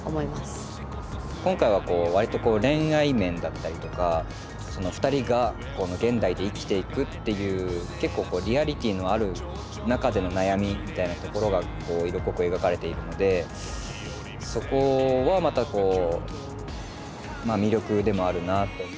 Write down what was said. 今回はこう割と恋愛面だったりとかふたりが現代で生きていくっていう結構リアリティーのある中での悩みみたいなところが色濃く描かれているのでそこはまた魅力でもあるなあと。